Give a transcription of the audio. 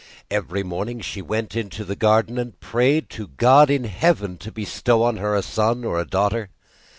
Every morning she went into the garden and prayed to God in heaven to bestow on her a son or a daughter.